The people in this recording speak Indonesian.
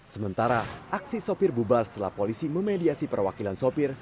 sementara aksi sopir bubar setelah polisi memediasi perwakilan sopir